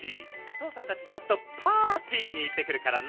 とうさんたちちょっとパーティーにいってくるからな。